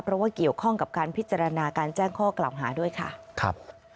เพราะว่าเกี่ยวข้องกับการพิจารณาการแจ้งข้อกล่าวหาด้วยค่ะครับ